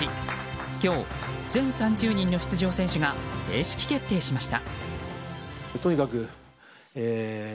今日、全３０人の出場選手が正式決定しました。